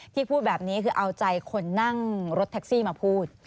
พูดแบบนี้คือเอาใจคนนั่งรถแท็กซี่มาพูด